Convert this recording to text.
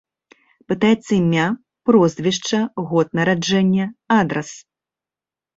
Пытаецца імя, прозвішча, год нараджэння, адрас.